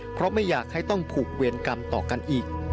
เพราะไม่อยากให้ต้องผูกเวรกรรมต่อกันอีก